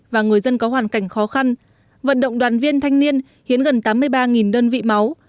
và người dân có hoàn cảnh khó khăn vận động đoàn viên thanh niên hiến gần tám mươi ba đơn vị máu